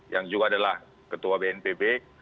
yang juga adalah ketua bnpb